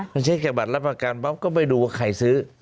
พอเช็คแค่บัตรรับประกันปั๊บก็ไปดูว่าใครซื้อ